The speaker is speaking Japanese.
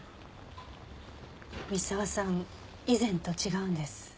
三沢さん以前と違うんです。